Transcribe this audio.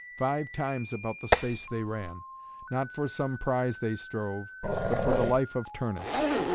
Five times about the space they ran; not for some prize they strove, but for the life of Turnus.